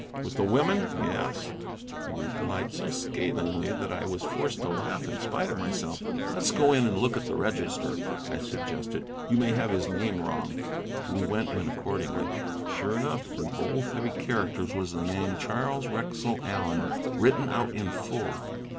"With the women? yes," he replied, so scathingly that I was forced to laugh in spite of myself. "Let us go in and look at the register," I suggested. "You may have his name wrong." We went in accordingly. Sure enough, in bold, heavy characters, was the name Charles Wrexell Allen written out in full.